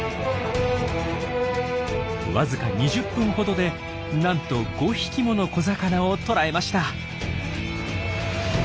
わずか２０分ほどでなんと５匹もの小魚を捕らえました。